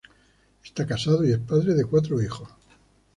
Está casado y es padre de cuatro niños.